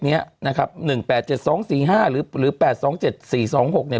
เนี้ยนะครับหนึ่งแปดเจ็ดสองสี่ห้าหรือหรือแปดสองเจ็ดสี่สองหกเนี่ย